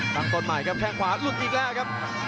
ต้นใหม่ครับแค่งขวาหลุดอีกแล้วครับ